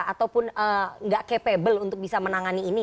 ataupun nggak capable untuk bisa menangani ini